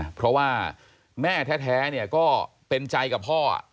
เพราะว่าแม่แท้ก็เป็นใจกับพ่อ